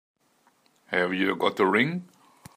Have you got a ring?